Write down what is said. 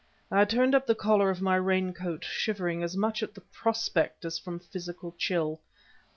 I turned up the collar of my raincoat, shivering, as much at the prospect as from physical chill.